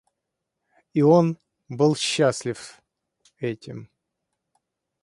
И он был счастлив этим.